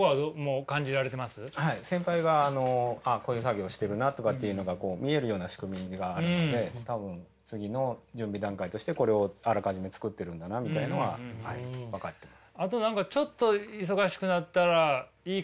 先輩があのこういう作業をしてるなとかっていうのがこう見えるような仕組みがあるので多分次の準備段階としてこれをあらかじめ作ってるんだなみたいのははい分かってます。